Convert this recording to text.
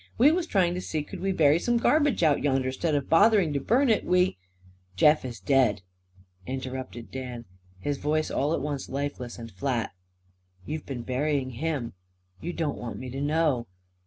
We was trying to see could we bury some garbage out yonder, 'stead of bothering to burn it. We " "Jeff is dead!" interrupted Dan, his voice all at once lifeless and flat. "You been burying him. You don't want me to know.